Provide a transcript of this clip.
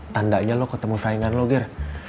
tandanya lo ketemu saingan lo gir